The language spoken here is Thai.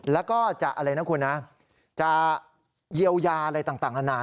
แล้วก็จะอะไรนะคุณนะจะเยียวยาอะไรต่างนานา